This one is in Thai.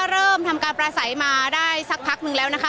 เริ่มทำการประสัยมาได้สักพักนึงแล้วนะคะ